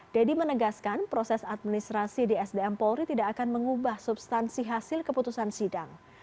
deddy menegaskan proses administrasi di sdm polri tidak akan mengubah substansi hasil keputusan sidang